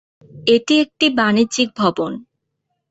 এটি একটি বাণিজ্যিক ভবন।